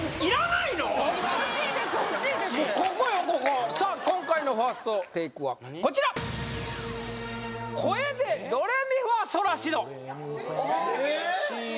ここさあ今回のファーストテイクはこちら声でドレミファソラシドええー？